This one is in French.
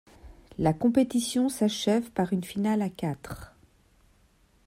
La compétition s'achève par une finale à quatre.